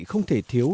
không thể thiếu